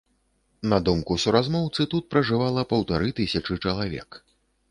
На думку суразмоўцы, тут пражывала паўтары тысячы чалавек.